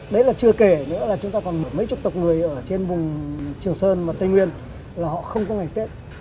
đấy là chưa kể nữa là chúng ta còn mưở mấy chục tộc người ở trên vùng trường sơn và tây nguyên là họ không có ngày tết